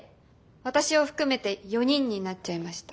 私を含めて４人になっちゃいました。